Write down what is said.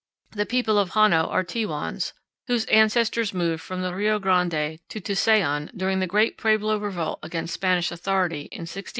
The people of Hano are Tewans, whose ancestors moved from the Rio Grande to Tusayan during the great Pueblo revolt against Spanish authority in 1680 96.